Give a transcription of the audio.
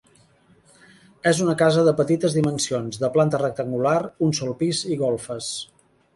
És una casa de petites dimensions, de planta rectangular, un sol pis i golfes.